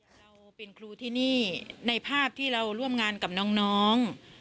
เราเป็นครูที่นี่ในภาพที่เราร่วมงานกับน้อง